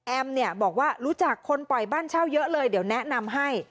บอกว่ารู้จักคนปล่อยบ้านเช่าเยอะเลยเดี๋ยวแนะนำให้